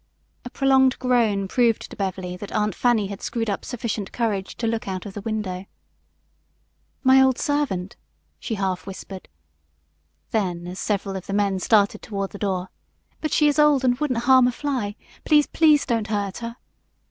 A prolonged groan proved to Beverly that Aunt Fanny had screwed up sufficient courage to look out of the window. "My old servant," she half whispered. Then, as several of the men started toward the door: "But she is old and wouldn't harm a fly. Please, please don't hurt her."